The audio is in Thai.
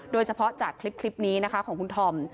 โดยเฉพาะจากคลิปนี้นะคะของคุณธอม